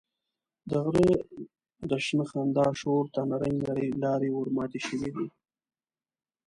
د غره د شنه خندا شور ته نرۍ نرۍ لارې ورماتې شوې دي.